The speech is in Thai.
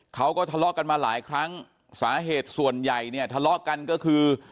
เขาก็ทะเลาะกันมาหลายครั้งสาเหตุส่วนใหญ่เนี่ยทะเลาะกันก็คือ